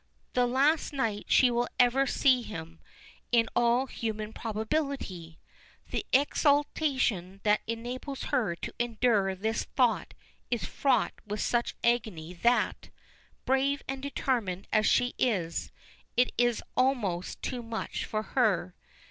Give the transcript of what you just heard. The last night she will ever see him, in all human probability! The exaltation that enables her to endure this thought is fraught with such agony that, brave and determined as she is, it is almost too much for her.